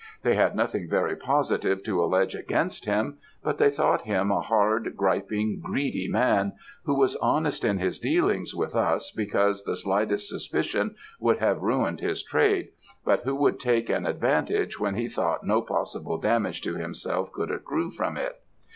They had nothing very positive to allege against him; but they thought him a hard, griping, greedy man, who was honest in his dealings with us because the slightest suspicion would have ruined his trade, but who would take an advantage when he thought no possible damage to himself could accrue from it.